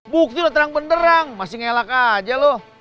buktinya terang beneran masih ngelak aja lo